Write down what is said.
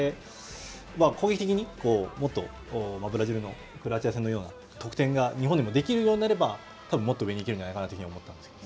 攻撃的にもっとブラジルのクロアチア戦のような得点が日本でもできるようになればたぶんもっと上に行けるんじゃないかなと思ったんですけど。